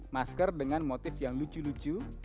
masker dengan motif yang lucu lucu